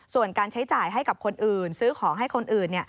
ส่วนการใช้จ่ายให้กับคนอื่นซื้อของให้คนอื่น